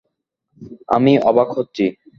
আমি অবাক হচ্ছি।